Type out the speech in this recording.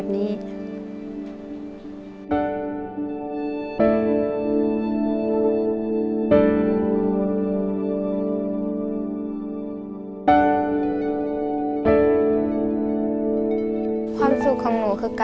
พี่น้องของหนูก็ช่วยย่าทำงานค่ะ